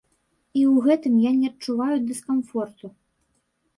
І ў гэтым я не адчуваю дыскамфорту.